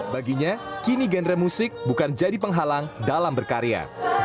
baginya kini genre musik bukan jadi penghalang dalam berkarya